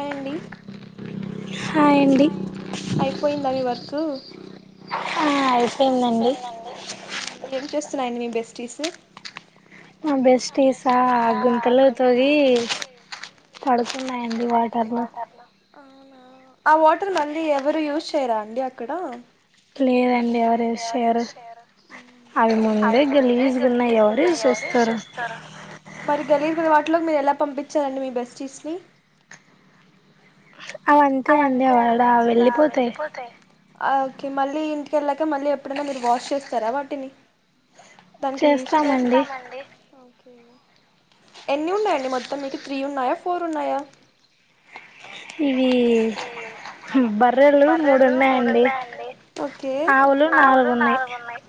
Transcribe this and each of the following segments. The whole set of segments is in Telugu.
ఏండి అయిపోయిందా నీ వర్క్ ఆ అయిపోయిందండి ఏం చూస్తున్నాయండి మీ బెస్టీటీస్ మా బెస్ట్ ఆ గుంతలు తొగి పడుకున్నాయండి వాటర్ లో అవునా ఆ వాటర్ మళ్ళీ ఎవరు యూజ్ చేయరా అండి అక్కడ లేదండి ఎవరు యూస్ చేయరు అవి ముందే గలీజుగా ఎవరు యూస్ చేయరు తెస్తర మరి గలీరు మీద వాటిలోకి మీరు ఎలా పంపించారండి మీ బెస్టీస్ ని అవంతే అండి అవిడ వెళ్ళిపోతాయి ఓకే మళ్ళీ ఇంటికెళ్ళాక మళ్ళీ ఎప్పుడైనా మీరు వాష్ చేస్తారా వాటిని దానికి ఇస్ చేస్తామండి ఎన్ని ఉన్నాయి అండి మొత్తం మీకూ త్రీ ఉన్నాయా ఫోర ఉన్నాయా ఈ బర్రెలు మూడు ఉన్నాయిండి ఆవులు నాలుగు ఉన్నాయి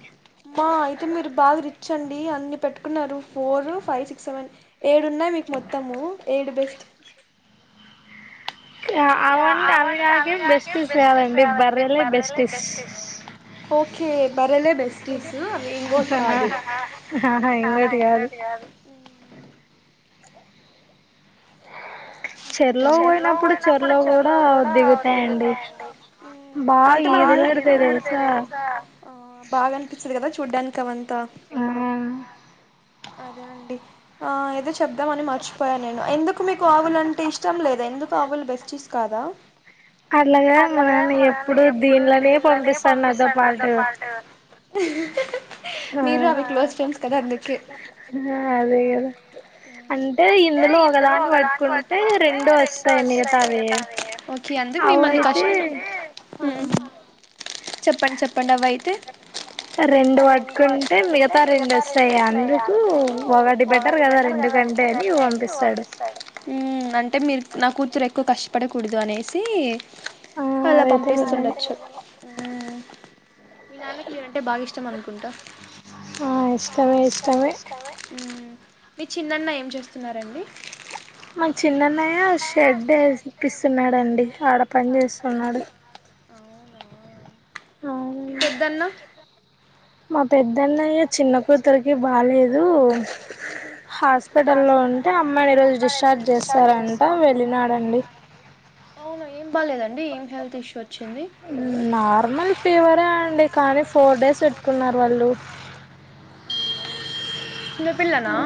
మా అయితే మీరు బాగా రిచ్ అండి అన్ని పెట్టుకున్నారు ఫోర్ ఫైవ్ సిక్స్ సెవెన్ ఏడు ఉన్నాయి మీకు మొత్తము ఏడ్ బెస్ట్ అవండి అవి నాకేం బెస్ట్ ఇస్ కాదండి బర్రెలే బెస్ట్ ఇస్ ఓకే బర్రెలే బెస్ట్సు అ ఇంగోట్ కాదు కా ఇ చెరలో పోయినప్పుడు చెరలో కూడా దిగుతాయి అండి అంటే మ బాగా నిప కదా చూడ్డానికివంతా అదే అండి ఆ ఏదో చెప్పదం అని మర్చిపోయాను నేను ఎందుకు మీకు ఆవులు అంటే ఇష్టం లేద ఎందుకు అవ్వులు బెస్టీస్ కాదా అలాగా మా నాన్న ఎప్పుడు దీనిలోనే పంపిస్తాడు నాతో పట్టు మీరు అవి క్లోజ్ ఫ్రెండ్స్ కదా అందుకే అదే కదా అంటే ఇందులో ఒకదాని పట్టుకుంటే రెండు వస్తాయి మిగా అవి కి అందుకే మిమ్మల్ని కష్టం ఉమ్ చెప్పండి చెప్పండి అవ అయితే రెండు పట్కుంటే మిగతా రెండు వస్తాయి అందుకు దాపి అంటే మీరు నా కూతురు ఎక్కువ కష్ట ఇష్టపడకూడదు అనేసి అలా పంపిస్తుండొచ్చు మీ నాన్నకి మీరుంటే బాగా ఇష్టం అనుకుంటా మీ చిన్నన్న ఏం చేస్తున్నారండి మ చిన్నన్నయ్య షెడ్డు వైపిస్తున్నాడండి ఆడ పని చేస్తున్నాడు అవునా పెద్దన్న మా పెద్దన్నయ్య చిన్న కూతురికి బాలేదు హాస్పటల్లో అంటే అమ్మాయిని ఈ రోజు డిశ్చార్జ్ చేస్తారంట వెళ్ళినాడండి అవునా ఏం బాలేదండి ఏం హెల్త్ ఇష్యూ నార్మల్ ఫీవరే అండి కానీ ఫోర్ డేస్ పెట్టుకున్నారు వాళ్ళు అయ్యో చిన్నపిల్లనా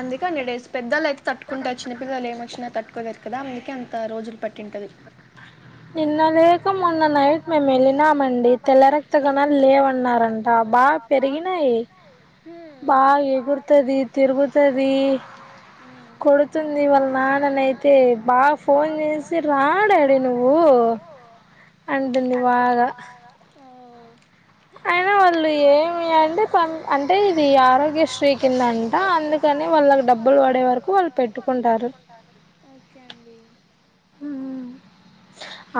అందుకే డేస్ పెద్దళ్ళ అయితే తట్టుకుంటారు చిన్నపిల్లలు ఏమొచ్చిన తట్టుకోలేరు కదా అందుకే అంత రోజులు పట్టింటది నిన్న లేక మొన్న నైట్ మేము వెళ్ళినామండి తెల్లరక్తగణాలు లేవన్నారంట బా పెరిగినయి ఎగురుతుందీ తిరుగుతుంది కొడుతుంది వాళ్ళ నాన్న అయితే బా ఫోన్ చేసి రా డాడీ నువ్వు ఓ అంటుంది బాగా అయినా వాళ్ళు ఏమి అంటే ప అంటే ఇది ఆరోగ్య శ్రీ. ఆరోగ్య శ్రీ కింద అంట అందుకనే వాళ్ళకు డబ్బులు పడే వరకు వాళ్ళు పెట్టుకుంటారు. ఓకే అండి.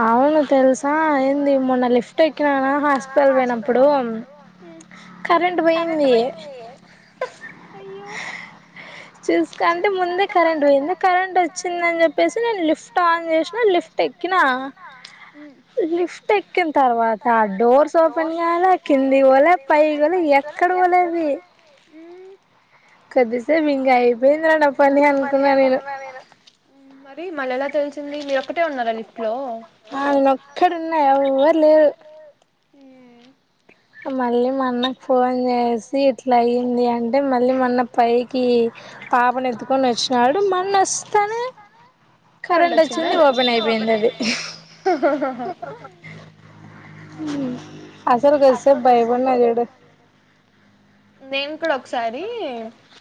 అవును తెల్సా ఏంది మొన్న లిఫ్ట్ ఎక్కినానా హాస్పిటల్ పోయినప్పుడు కరెంట్ పోయింది. అయ్యో చూసుకో అంటే ముందే కరెంట్ పోయింది. కరెంట్ వచ్చిందని చెప్పేసి నేను లిఫ్ట్ ఆన్ చేశిన లి ప్ట్ ఎక్కినా. హ్ లిఫ్ట్ ఎక్కిన తర్వాత డోర్స్ ఓపెన్ కాలే, కిందికి పోలే, పైకి పోలే ఎ ఎక్కడ పోలేది కొద్దిసేపు ఇంగా అయిపోయిందిరా నా పని అనుకున్నా నేను. ప్పి మళ్ళ ఎలా తెలిసింది మీరు ఒకటే ఉన్నరా లిఫ్ట్ లో. ఆ నేనొక్కడు ఉన్న ఎవ్వరు లేరు. మళ్ళీ మా అన్నకు ఫోన్ చేసి ఇట్లా అయ్యింది అంటే మళ్ళీ మాన్న పైకి పాపను ఎత్తుకొని వచ్చిననాడు మళ్ళ వస్తనే కరెంట్ వచ్చింది ఓపెన్ అయిపోయింది అది. అసలు కొద్దిసేపు భయపడినా చూడు. ఇక్కడ ఒకసారి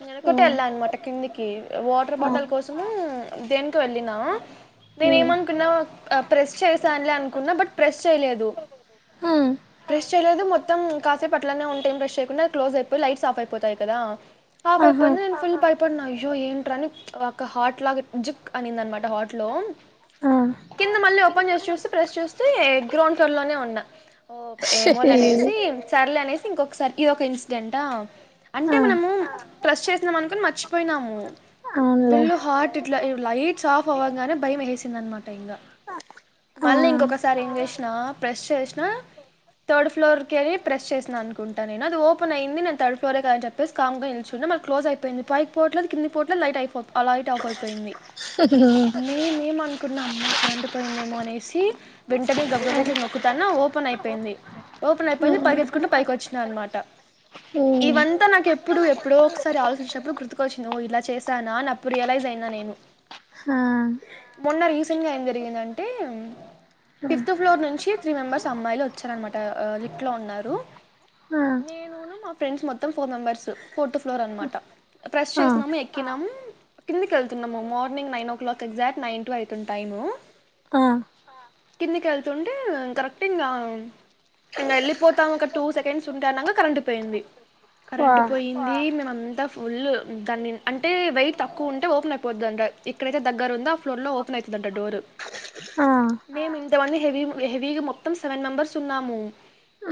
నేనొకటె ఎళ్ళా అనమాట కిందికి వాటర్ బాటిల్ కోసం. దేనికో వెళ్ళినా. నేను ఏమనుకున్నా ప్రెస్ చేసానులే అనుకున్నా. బట్ ప్రెస్ చేయలేదు, ప్రెస్ చేయలేదు మొత్తం అట్లనే ఉంటే ఎంప్రెస్ చేయకుండా అది క్లోజ్ అయిపోయి, లైట్స్ ఆఫ్ అయిపోతాయి కదా. ఆఫ్ అయిపోయింది, నేను ఫుల్ బయపడినాను. అయ్యో ఏంట్రా అని ఒక హాట్ లాగా జిక్ అనింది అనమాట హాట్ లో. కింద మళ్ళీ ఓపెన్ చేసి చూస్తే ప్రెస్ చూస్తే గ్రౌండ్ ఫ్లోర్లోనే ఉన్నా. ఓ ఏమోలే అనేసి సర్లే అనేసి ఇంకొకసారి ఇదొక ఇన్సిడెంటా. అంటే మనము ప్రెస్ చేసినం అనుకొని మర్చిపోయినము. ఫుల్ హాట్ ఇట్లా లైట్స్ ఆఫ్ అవ్వగానే భయం వేసేసిందనమాట ఇంగా. మళ్ళీ ఇంకొకసారి ఏం చేశినా ప్రెస్ చేశిన థర్డ్ ఫ్లోర్ కెళ్ళి ప్రెస్ చేసిన అనుకుంట నేను అది ఓపెన్ అయింది. నేను థర్డ్ ఫ్లోరే కదనిచెప్పేసి కామ్గా నిల్చున్నా మళ్ళ క్లోజ్ అయిపోయింది. పైకి పో కిపోవట్లేదు, కిందికిపోవట్లేదు లైట్ అయిపో లైట్ ఆఫ్ అయిపోయింది. మేము ఎమను కున్న అమ్మ కరెంట్ పోయిందేమో అనేసి వెంటనే గబగబా ఇట్ల నొక్కుతన్నా ఓపెన్ అయిపోయింది. ఓపెన్ అయిపోయింది పరిగెత్తుకుంటే పైకి వచ్చినా అనమాట. ఇవంతా నాకు ఎప్పుడు ఎప్పుడో ఒకసారి ఆలోచించినప్పుడు గుర్తుకు వచ్చింది. ఓ ఇలా చేసానా అని అప్పుడు రియలైజ్ అయి నానేను హ మొన్న రీసెంట్గా ఏం జరిగిందంటే ఫిఫ్త్ ఫ్లోర్ నుంచి త్రీ మెంబర్స్ అమ్మాయిలు వచ్చారనమాట ఆ లిఫ్ట్ లో ఉన్నా రు నేను ఉన్ను మా ఫ్రెండ్స్ మొత్తం ఫోర్ మెంబర్స్ ఫోర్త్ ఫ్లోర్ అనమాట. ప్రెస్ చేసినాము, ఎక్కినం కిందకి ఎళ్తున్నము. Morning nine o'clock exact nine two అయితుంది టైము కిందికి ఎళ్తుంటే కరెక్ట్ ఇంగా ఇంగా ఎళ్లి పోతాం ఒక టూ సెకండ్స్ ఉంటే అనంగా కరెంట్ పోయింది. కరెంట్ పోయింది మేం అంతా ఫుల్ దాన్ని అంటే వెయిట్ తక్కువ ఉంటే ఓపెన్ అయిపోద్ది అంటా. ఎక్కడైతే దగ్గర ఉందో ఆ ఫ్లోర్ లో ఓపెన్ అయితుందంట డోరు. మేము ఇంత మంది హెవీ హెవీగా మొత్తం సెవెన్ మెంబర్స్ ఉన్నాము.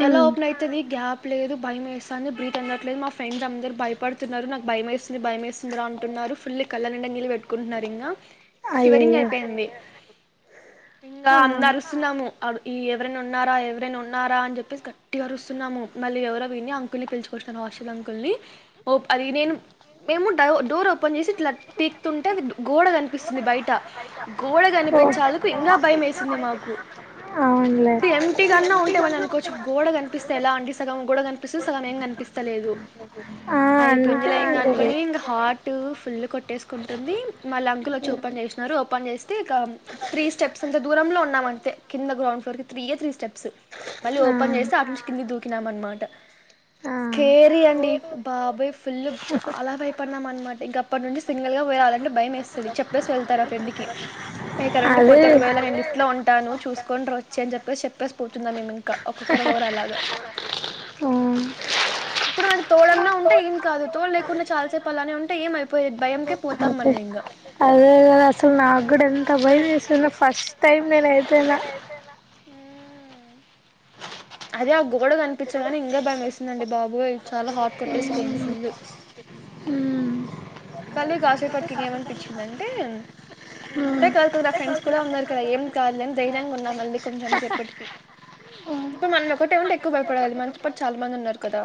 ఎలా ఓపెన్ అవుతుంది గ్యాప్ లేదు భయం వేస్తాంది బ్రీత్ అనట్లేదు మా ఫ్రెండ్స్ అందరు భయపడుతున్నారు నాకు భయమై భయ వేస్తుందిరా అంటున్నారు ఫుల్లి కళ్ళ నిండి నీళ్పెట్టుకుంటున్నారు ఇంకా శివారింగ్ అయిపోయింది ఇంగా అంద అరుస్తున్నాము అ ఈ ఎవరైనా ఉన్నారా ఎవరైనా ఉన్నారా అని చెప్పేసి గట్ ట్టి అరుస్తున్నాము మళ్ళీ ఎవరో విని అంకుల్ని పిలుచుకొస్తాను హాస్టల్ అంకుల్ని ఓ అది నేను మేముడ డోర్ ఓపెన్ చేసి ఇట్లా పీక్కుతుంటే అది గోడ కనిపిస్తుంది బయట గోడనిప్ పించాలకు ఇంకా భయం వేసింది మాకు అవునులే అన్నా ఉంటే వాళ్ళని కోచ్ గోడ కనిపిస్తా ఎలా అండి సగం గోడ కనిపిస్త సగం ఏం కనిపిస్తలేదు అయి పంజల ఇం అనుకొని ఇంకా హార్ట్ ఫుల్ కొట్టేసుకుంటుంది మల్ల అంకులు వచ్చి ఓపెన్ చేసినన్నారు ఓపెన్ చేస్తే ఇగ త్రీ స్టెప్స్ ఇంత దూరంలో ఉన్నమ్ అంతే త్రీ ఏ త్రీ స్టెప్స్ మళ్ళీ ఓపెన్ చేస్తే అరిచి కింద దూకినాం అనమాట స్కేరీ అండి బాబాయ్ ఫుల్ చాలా భయపడ్నాం అనమాట ఇంక అప్పటి నుండి సింగల్ గా రాలంటే భయం వేస్తుంది చెప్పలేసి వెళ్తారు ఆ ఫ్రెండ్కి ఏ కరెంటట్ పోతే ఒకవే నేను ఇట్లో ఉంటాను చూసుకోని ర వచ్చ అని చెప్పేసి చెప్పేసి కూర్చున్నాము మేము ఇంకా ఒక్కరు పోరు అలాగా ఎప్పుడైనా తోడన్నా ఉంటే ఏం కాదు తోడు లేకుడా చాలాసేపు అలానే ఉంటే ఏమయిపోయది భయంకే పోతాం మనం ఇంకా అదే కదా అసలు నా కూడా ఎంత భయం చేసింది ఫస్ట్ టైం నేనయితే నా ఉమ్ అదే గోడ కకనిపించ కాని పించగానే ఇంక భయం వేసిందండి బాబోయ్ చాలా హాట్ కట్టేస్కన్సింది మళ్ళీ కాసేపటికి ఏమనిపించిందంటే నేను ఒకటే కాదుతు కద ఫ్రెండ్స్ కూడా ఉన్నారు కదా ఏం కాదులేని ధైర్యంగా ఉన్నా మళ్ళీ కొంచెం సేపటికి ఇప్పుడు మనల్ని ఒకట ఏమంటే ఎక్కువ భయపడాలి మనతో పాడు చాలా మంది ఉన్నారు కదా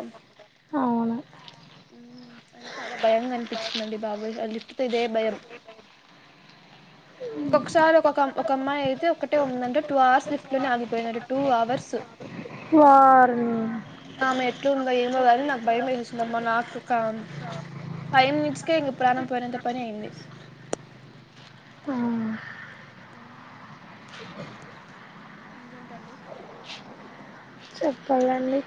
అ చాలా భయం అనిపించిందండి బాబోయ ఆ లిఫ్ట్ తో ఇదే భయం ఇంకొకసారి ఒక ఒక అమ్మాయి అయితే ఒకటే ఉందంట టూ అవర్స్ లిఫ్ట్ లోనే ఆగిపోయిందంటా టూ అవర్స్ వార్ని ఏట్లా ఉంది ఏమో గాని నాకు భయం వేసేసిందమ్మ నాకు ఫైవ్ మినిట్స్కి ఇంక ప్రాణం పోయినంత పని అయింది అ ఇకేంటండి ఉందండీ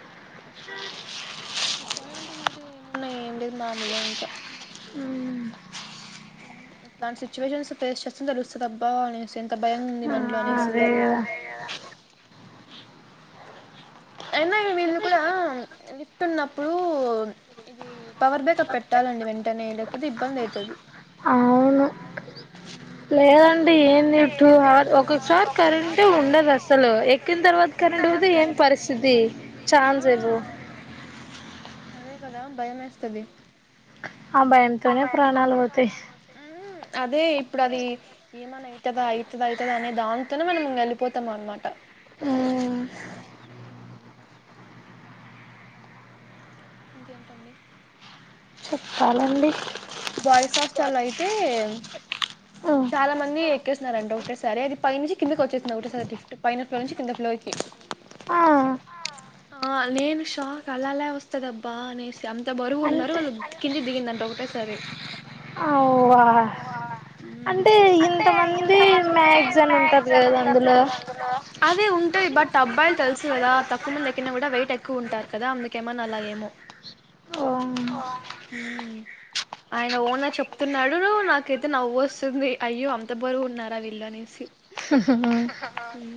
చెప్పాలంటడి మీరే ఏమున్నాయి ఏం లేదు మామూలులే ఇంకా ఆ ఇలాంటి సిచ్యువేషన్స్ ఫేస్ చేస్తని తెలుస్తుందబ్బా అనేసి ఎంత భయ ఉంది మనలో అనేసి రా అయినా వీళ్ళు కూడా లిఫ్ట్ ఉన్నప్పుడు ఇది పవర్ బ్యాకప్ పెట్టాలె లి వెంటనే లేకపోతే ఇబ్బంది అవుతది లేద టే ఏంది టూ అవర్ ఒసారి కరెంటే ఉండదు అసలు ఎక్కిన తర్వాత కరెంట్ పోయితే ఏం పరిస్థితి ఛాన్స్ లేదు అదే కదా భయం ఇస్తది ఆ భయంతోనే ప్రాణాలు పోతాయి అదే ఇప్పుడు అది ఏమని అవుతదా అవుతుందా అవుతదా అనే దాంతోనే మనం వెళ్ళిపోతాం అనమాట ఆ ఇంకేంటండి చాలాండి బాయ్స్ హాస్టల్ లో అయితే చాలా మంది ఎక్కేస్తున్నారాంట ఒకటే సారి అది పైన నుంచి కిందకి వచ్చస్తుంది ఒకేసారి లిఫ్ట్ పైన ఫ్లోర్ నుంచి కింద ఫ్లోర్ కి ఆ నేను షాక్ అలా ఎలా వస్తదబ్బా అనేసి అంత బరువు ఉన్నారు వాళ్ళు కిందికి దిగిందంట ఒకటేసారి ఆ అఓ అంటే ఇ ఇంతమంది మాక్స్ అని ఉంటారు కదా అందులో అదే ఉంటాయి బట్ అబ్బాయిలు తెలుసు కదా ఎక్కువ మంది ఎక్కిన కూడా వెయిట్ ఎక్కువ ఉంటాయి ఉంటారు కదా అందుకేమన్న అలా ఏమో ఆయన ఓనర్ చెప్తున్నాడు ఇలో నాకైతే నవ్వు వస్తుంది అయ్యో అంత బరువు ఉన్నారా వీళ్ళు అనేసి ఊ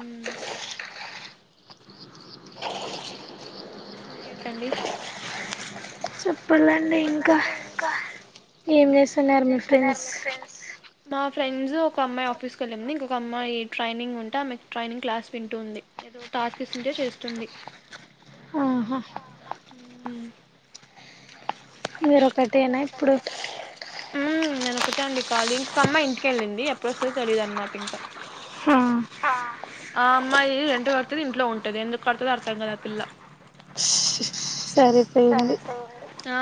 ఇంకేంటండి చెప్పాలండి ఇంకా ఏం చేస్తున్నారు మీ ఫ్రెండ్స్ మా ఫ్రెండ్స్ ఒక అమ్మాయి ఆఫీస్ కు వెళ్ళింది ఇంకొక అమ్మాయి ట్రైనింగ్ ఉంటే ఆమెకు ట్రైనింగ్ క్లాస్ వింటుంది ఏదో టాస్క్ ఇచ్చింటే చేస్తుంది ఆ అ హ్మ్ మీరు ఒకటేనా ఇప్పుడు హ్మ్ నేను ఒకటే అండి ఖాళీ ఇంకో అమ్మాయి ఇంటికెళ్ళింది ఎప్పుడు వస్తదో తెలీదు అన్నమాట ఇంకా ఆఆ అమ్మాయి రెంట్ కడతాది ఇంట్లో ఉంటది ఎందుకు కడతాదో అర్థం కాదు ఆ పిల్ల సరిపోయింది ఆ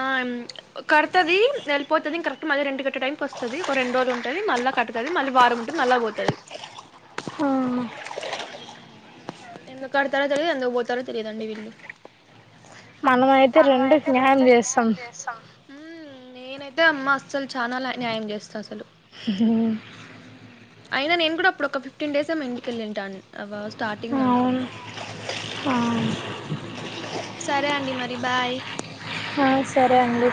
కడతది వెళ్ళిపోతుంది కరెక్ట్ మళ్ళి రెంట్ కట్టే టైంకి వస్తాది ఒక రెండు రోజులు ఉంటది మళ్ళా క కడ్తాది మళ్ళీ వారం ఉంటాది మళ్ళా పోతాది ఎందుకు కడతారో తెలీదు ఎందుకు పోతారో తెలీదు అండి వీళ్ళు మానమైతే రెంటుకి న్యాయం చేస్తాం హ్మ్ నేనైతే అమ్మ అస్సలు చాలా న్యా న్యాయం చేస్తా అసలు అ అయినా నేను కూడా అప్పుడు ఒక ఫిఫ్టీన్ డేస్ ఏమో ఇంటికెళ్ళింటాను అబ స్టార్ట్ టింగ్ అనుకుంటా ఆ ఆ హ్మ్ సరే అండి మరి బాయ్ ఆ సరే అండి